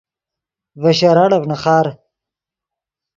ڤے شراڑف نیخار